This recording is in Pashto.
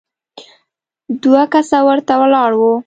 دوه کسه ورته ولاړ وو.